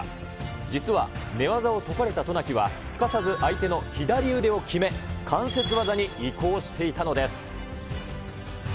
実は、寝技を解かれた渡名喜はすかさず相手の左腕を決め、関節技に移行していたのです。